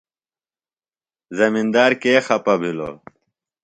زمندار کےۡ خپہ بِھلوۡ ؟